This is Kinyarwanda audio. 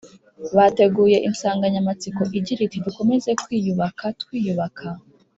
bateguye insangamatsiko igira iti dukomeze kwiyubaka twiyubaka